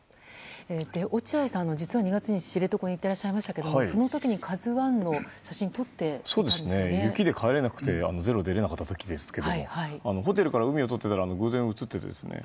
落合さん、実は２月に知床に行ってらっしゃいましたがその時に「ＫＡＺＵ１」の写真を雪で帰れなくて「ｚｅｒｏ」に出れなかった時ですけどホテルから海を撮っていたら偶然、写っていて。